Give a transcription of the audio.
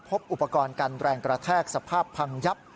พบอุปกรณ์กันแรงกระแทกสภาพพังยับ